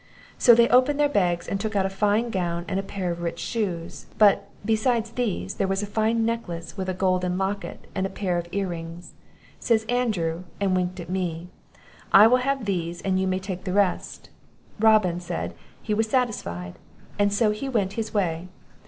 So they opened their bags, and took out a fine gown and a pair of rich shoes; but, besides these, there was a fine necklace with a golden locket, and a pair of earrings. Says Andrew, and winked at me, 'I will have these, and you may take the rest.' Robin said, he was satisfied, and so he went his way.